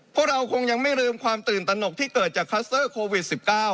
พวกเราคงยังไม่ลืมความตื่นตนกที่เกิดจากคลัสเตอร์โควิด๑๙